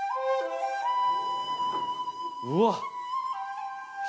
うわっ。